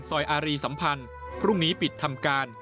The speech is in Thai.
อารีสัมพันธ์พรุ่งนี้ปิดทำการ